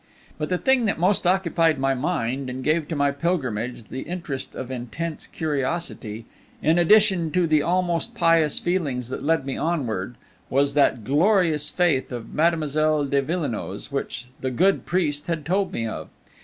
But the thing that most occupied my mind, and gave to my pilgrimage the interest of intense curiosity, in addition to the almost pious feelings that led me onwards, was that glorious faith of Mademoiselle de Villenoix's which the good priest had told me of.